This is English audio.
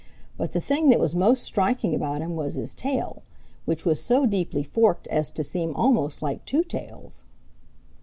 But the thing that was most striking about him was his tail, which was so deeply forked as to seem almost like two tails.